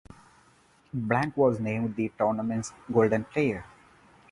Blanc was named the tournament's Golden Player.